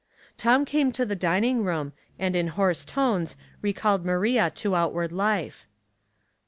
Tom came to the dininCj^ room, and in hoarse tones recalled Maria to outward life.